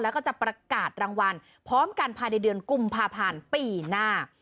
แล้วก็จะประกาศรางวัลพร้อมกันภายในเดือนกุมภาพันธ์ปีหน้า